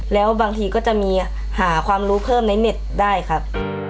แล้วบางทีก็จะมีหาความรู้เพิ่มในเน็ตได้ครับ